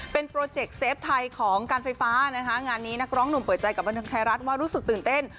เป็นโปรเจกต์เซฟไทยของการไฟฟ้านะคะงานนี้นักร้องหนุ่มเปิดใจกับบันทึงไทยรัฐว่ารู้สึกตื่นเต้น